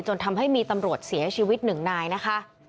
จนทำให้มีตำรวจเสียชีวิตหนึ่งนายนะคะ